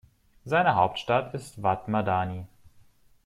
Seine Hauptstadt ist Wad Madani.